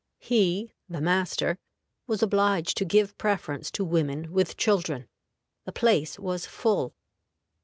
He (the master) was obliged to give preference to women with children. The place was full.